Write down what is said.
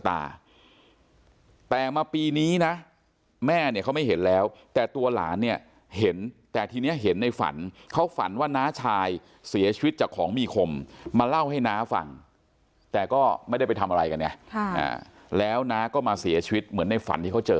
แต่มาปีนี้นะแม่เนี่ยเขาไม่เห็นแล้วแต่ตัวหลานเนี่ยเห็นแต่ทีนี้เห็นในฝันเขาฝันว่าน้าชายเสียชีวิตจากของมีคมมาเล่าให้น้าฟังแต่ก็ไม่ได้ไปทำอะไรกันไงแล้วน้าก็มาเสียชีวิตเหมือนในฝันที่เขาเจอ